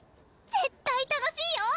絶対楽しいよ！